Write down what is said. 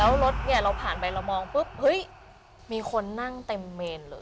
แล้วรถเนี่ยเราผ่านไปเรามองปุ๊บเฮ้ยมีคนนั่งเต็มเมนเลย